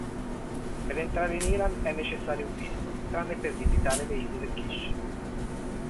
Per entrare in Iran è necessario un visto, tranne per visitare le Isole Kish.